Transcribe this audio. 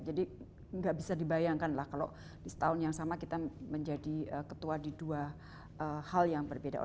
nggak bisa dibayangkan lah kalau di setahun yang sama kita menjadi ketua di dua hal yang berbeda